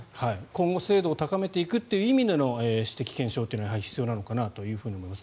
今後、精度を高めていくという意味での指摘・検証というのは必要なのかなと思います。